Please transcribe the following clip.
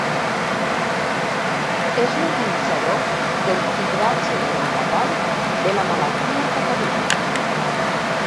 És l'organitzador del cribratge neonatal de la malaltia a Catalunya.